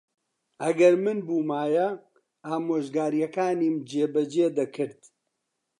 ئەگەر من بوومایە، ئامۆژگارییەکانیم جێبەجێ دەکرد.